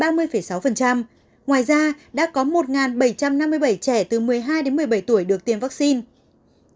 ngoài ra đã có một bảy trăm năm mươi bảy trẻ từ một mươi hai đến một mươi bảy tuổi được tiêm vaccine